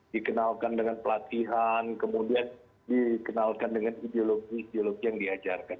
dikenalkan dengan pelatihan kemudian dikenalkan dengan ideologi ideologi yang diajarkan